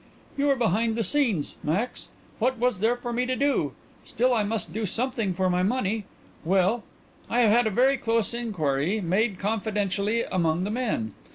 "You are behind the scenes, Max. What was there for me to do? Still I must do something for my money. Well, I have had a very close inquiry made confidentially among the men.